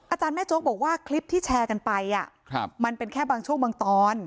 อาจารย์แม่โจ๊กบอกว่าคลิปที่แชร์กันไปมันเป็นแค่บางช่วงบางตอน